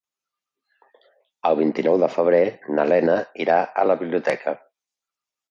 El vint-i-nou de febrer na Lena irà a la biblioteca.